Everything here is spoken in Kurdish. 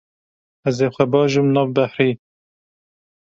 Ez ê xwe bajom nav behrê.